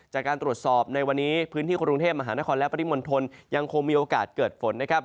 จากการตรวจสอบในวันนี้พื้นที่กรุงเทพมหานครและปริมณฑลยังคงมีโอกาสเกิดฝนนะครับ